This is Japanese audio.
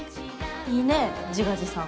いいね自画自賛。